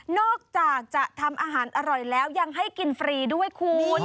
อกจากจะทำอาหารอร่อยแล้วยังให้กินฟรีด้วยคุณ